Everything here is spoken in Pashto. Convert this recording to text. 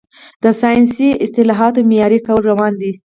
د ساینسي اصطلاحاتو معیاري کول روان دي.